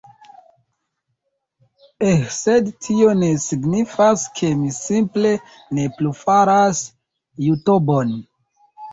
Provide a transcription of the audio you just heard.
Eh, sed tio ne signifas ke mi simple ne plu faras Jutobon